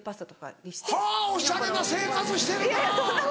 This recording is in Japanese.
はぁおしゃれな生活してるな。